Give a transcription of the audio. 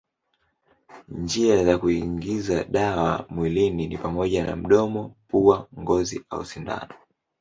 Njia za kuingiza dawa mwilini ni pamoja na mdomo, pua, ngozi au sindano.